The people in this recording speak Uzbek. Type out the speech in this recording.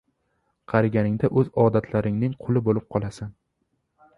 Qarigaiingda o‘z odatlaringning quli bo‘lib qolasan.